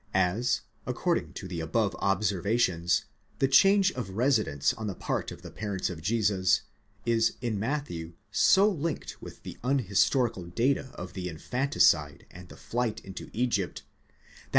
As, according to the above observations, the change of residence on the part of the parents of Jesus, is in Matthew so linked with the unhistorical data of the infanticide and the flight into Egypt, that without 5 Paulus, exeg.